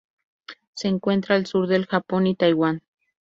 Se encuentra al sur del Japón y Taiwán.